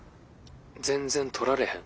全然取られへん。